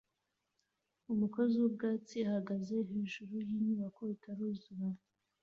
Umukozi wubwubatsi ahagaze hejuru yinyubako itaruzura